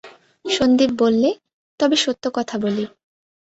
সন্দীপ বললে, তবে সত্য কথা বলি।